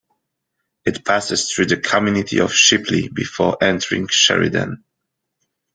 It passes through the community of Shipley, before entering Sheridan.